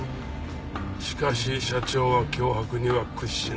しかし社長は脅迫には屈しなかった。